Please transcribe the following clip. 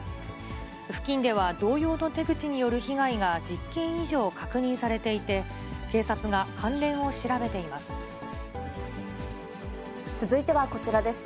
付近では同様の手口による被害が１０件以上確認されていて、続いてはこちらです。